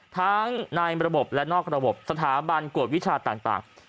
ทั้งในระบบและนอกระบบสถาบันกวดวิชาต่าง